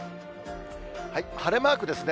晴れマークですね。